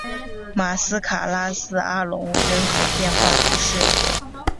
马斯卡拉斯阿龙人口变化图示